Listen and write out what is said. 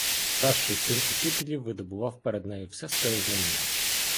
Старший син учителів видобував перед нею все своє знання.